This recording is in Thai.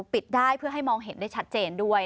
ปิดได้เพื่อให้มองเห็นได้ชัดเจนด้วย